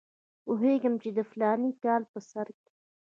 پوهېږم چې د فلاني کال په سر کې.